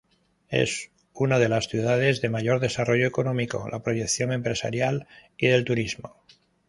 Es una las ciudades de mayor desarrollo económico, la proyección empresarial y del turismo.